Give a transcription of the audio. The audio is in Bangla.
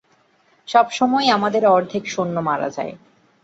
সবসময়ই আমাদের অর্ধেক সৈন্য মারা যায়!